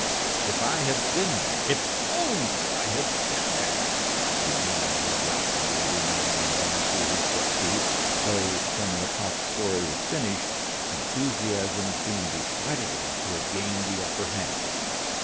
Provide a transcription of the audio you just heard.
"If I had been there! If only I had been there!" he murmured regretfully every now and then through his set teeth, though when Lecoq's story was finished, enthusiasm seemed decidedly to have gained the upper hand.